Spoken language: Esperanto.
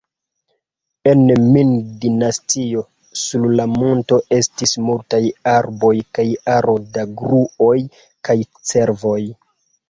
En Ming-dinastio sur la monto estis multaj arboj kaj aro da gruoj kaj cervoj.